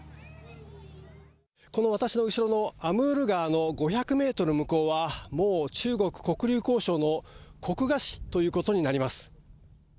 この私の後ろのアムール川の５００メートル向こうは、もう中国黒竜江省の黒河市ということになります。